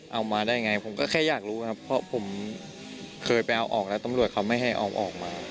เอามาได้ไงผมก็แค่อยากรู้ครับเพราะผมเคยไปเอาออกแล้วตำรวจเขาไม่ให้เอาออกมา